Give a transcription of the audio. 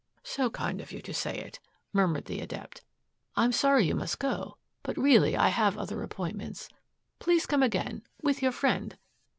"So kind of you to say it," murmured the Adept. "I'm sorry you must go, but really I have other appointments. Please come again with your friend.